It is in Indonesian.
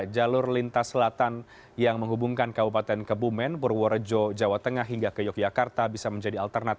jalur lintas selatan